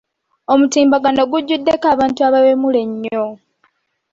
Omutimbagano gujjuddeko abantu abawemula ennyo.